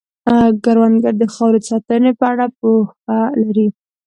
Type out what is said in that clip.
کروندګر د خاورې د ساتنې په اړه پوهه لري